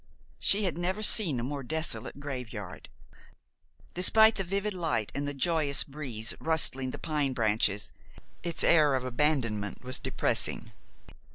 She had never seen a more desolate graveyard. Despite the vivid light and the joyous breeze rustling the pine branches, its air of abandonment was depressing.